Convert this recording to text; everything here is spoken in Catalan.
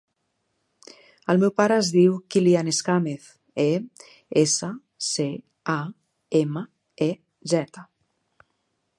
El meu pare es diu Kylian Escamez: e, essa, ce, a, ema, e, zeta.